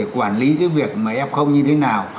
quản lý cái việc mà f như thế nào